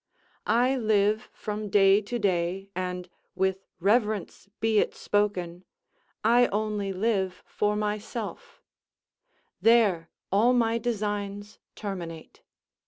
I live from day to day, and, with reverence be it spoken, I only live for myself; there all my designs terminate.